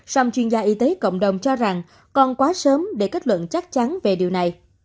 song chuyên gia y tế cộng đồng cho rằng còn quá sớm để kết luận chắc chắn về điều này